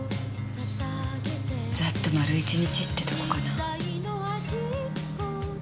ざっと丸１日ってとこかな。